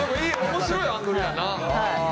面白いアングルやな。